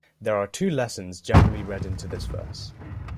There are two lessons generally read into this verse.